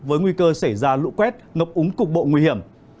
với nguy cơ xảy ra lũ quét ngập úng cục bộ nguy hiểm